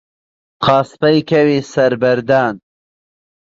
قاسپەی کەوی سەر بەردان